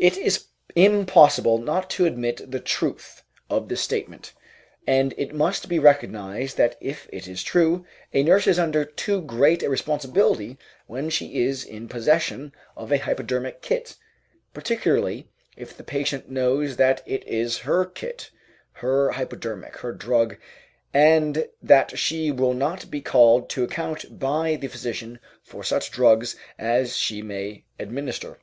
It is impossible not to admit the truth of this statement, and it must be recognized that if it is true, a nurse is under too great a responsibility when she is in possession of a hypodermic kit, particularly if the patient knows that it is her kit, her hypodermic, her drug, and that she will not be called to account by the physician for such drugs as she may administer.